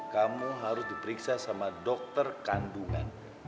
kamu harus diperiksa sama dokter kandungan